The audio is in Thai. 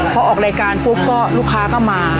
พอออกรายการปุ๊บก็ลูกค้าก็มา